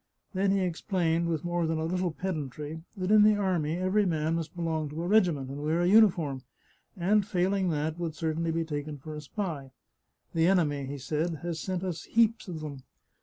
Then he explained, with more than a little pedantry, that in the army every man must belong to a regiment and wear a uniform, and, failing that, would certainly be taken for a spy. " The enemy," he said, " has sent us heaps of them.